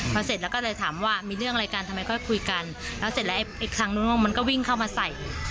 พอเสร็จแล้วก็เลยถามว่ามีเรื่องอะไรกันทำไมค่อยคุยกันแล้วเสร็จแล้วไอ้ครั้งนู้นมันก็วิ่งเข้ามาใส่